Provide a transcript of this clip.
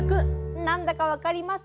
何だか分かります？